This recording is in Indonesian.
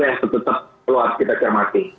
yang tetap perlu harus kita cermati